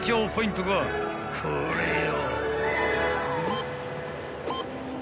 ［これよ］